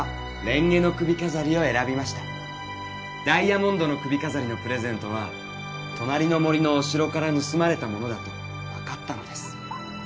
「ダイヤモンドの首飾りのプレゼントは隣の森のお城から盗まれたものだと分かったのです」